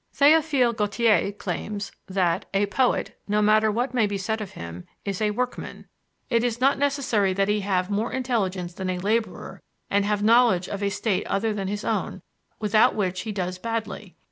Théophile Gautier claims that "a poet, no matter what may be said of him, is a workman; it is not necessary that he have more intelligence than a laborer and have knowledge of a state other than his own, without which he does badly.